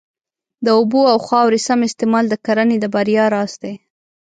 د اوبو او خاورې سم استعمال د کرنې د بریا راز دی.